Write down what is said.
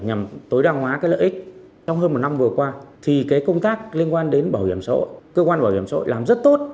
nhằm tối đa hóa cái lợi ích trong hơn một năm vừa qua thì cái công tác liên quan đến bảo hiểm xã hội cơ quan bảo hiểm xã hội làm rất tốt